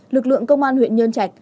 lực lượng công an huyện nhân trạch